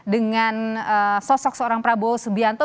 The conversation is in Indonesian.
dengan sosok seorang prabowo subianto